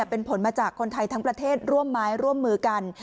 เป็นผลมาจากคนไทยทั้งประเทศร่วมไม้ร่วมมือกัน